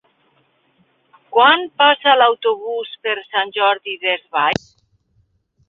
Quan passa l'autobús per Sant Jordi Desvalls?